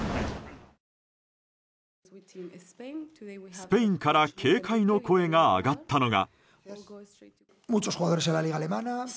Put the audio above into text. スペインから警戒の声が上がったのが。